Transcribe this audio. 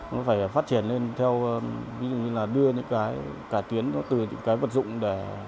nó phải phát triển lên theo ví dụ như là đưa những cái cả tuyến từ những cái vật dụng để